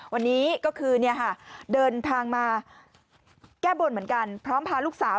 วันนี้ก็คือเดินทางมาแก้บนเหมือนกันพร้อมพาลูกสาว